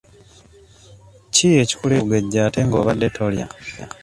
Ki ekikuleetedde okugejja ate nga obadde tolya?